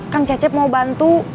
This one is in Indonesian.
kang cacep mau bantu